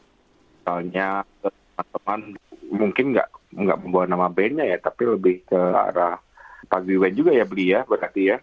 misalnya teman teman mungkin nggak membawa nama band nya ya tapi lebih ke arah pagi band juga ya beli ya berarti ya